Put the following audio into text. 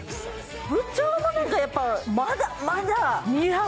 部長もまだまだ似合う。